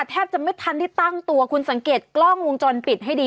แทบจะไม่ทันที่ตั้งตัวคุณสังเกตกล้องวงจรปิดให้ดี